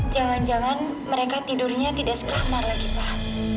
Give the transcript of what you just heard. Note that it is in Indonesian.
jangan jangan mereka tidurnya tidak sekamar lagi pak